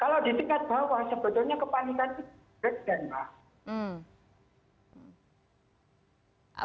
kalau di tingkat bawah sebetulnya kepanikan itu rekden pak